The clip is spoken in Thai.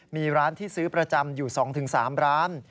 มีร้านที่ซื้อประจำอยู่๒๓ร้าน